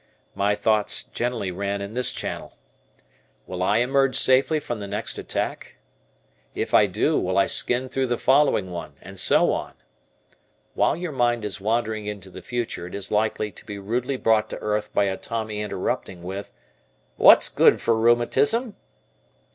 My thoughts generally ran in this channel: Will I emerge safely from the next attack? If I do, will I skin through the following one, and so on? While your mind is wandering into the future it is likely to be rudely brought to earth by a Tommy interrupting with, "What's good for rheumatism?"